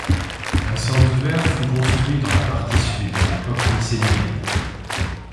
Un sanctuaire fut construit dans la partie sud à l'époque mycénienne.